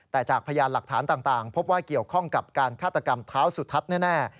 แต่จากพยานหลักฐานต่างพบว่าเกี่ยวข้องกับการฆาตกรรมเท้าสุทัศน์แน่